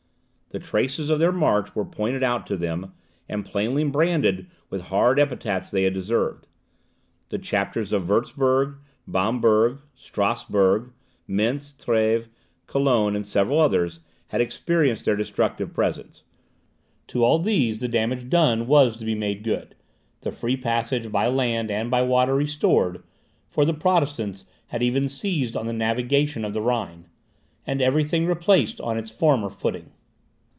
The traces of their march were pointed out to them, and plainly branded with the hard epithets they had deserved. The chapters of Wurtzburg, Bamberg, Strasburg, Mentz, Treves, Cologne, and several others, had experienced their destructive presence; to all these the damage done was to be made good, the free passage by land and by water restored, (for the Protestants had even seized on the navigation of the Rhine,) and everything replaced on its former footing.